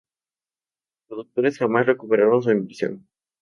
Los productores jamás recuperaron su inversión.